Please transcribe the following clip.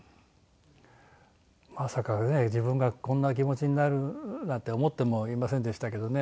まさかね自分がこんな気持ちになるなんて思ってもいませんでしたけどね。